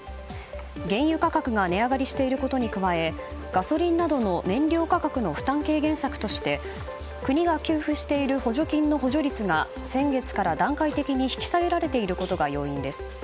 原油価格が値上がりしていることに加えガソリンなどの燃料価格の負担軽減策として国が給付している補助金の補助率が先月から段階的に引き下げられていることが要因です。